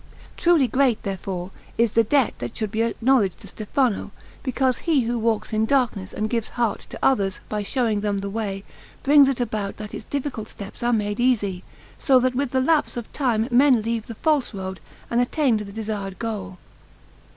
Truly great, therefore, is the debt that should be acknowledged to Stefano, because he who walks in darkness and gives heart to others, by showing them the way, brings it about that its difficult steps are made easy, so that with lapse of time men leave the false road and attain to the desired goal.